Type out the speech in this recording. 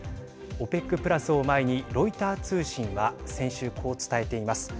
ＯＰＥＣプラスを前にロイター通信は先週こう伝えています。